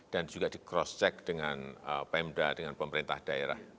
dan juga di cross check dengan pemda dengan pemerintah daerah